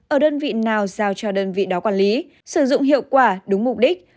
ở đơn vị nào giao cho đơn vị đó quản lý sử dụng hiệu quả đúng mục đích